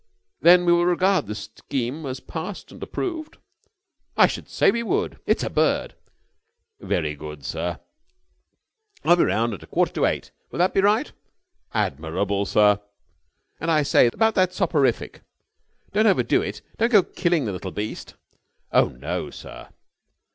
Then we will regard the scheme as passed and approved?" "I should say we would! It's a bird!" "Very good, sir." "I'll be round at about a quarter to eight. Will that be right?" "Admirable, sir." "And, I say, about that soporific.... Don't overdo it. Don't go killing the little beast." "Oh, no, sir."